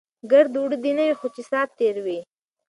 ګړد وړه دی نه وي، خو چې سات تیر وي.